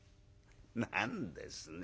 何ですね